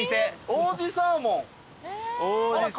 王子サーモンです。